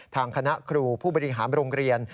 ทางคณะครูผู้บริหารโรงเรียน